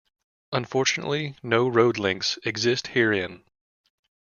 Unfortunately, no road links exist herein.